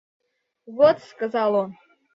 – Вот, – сказал он.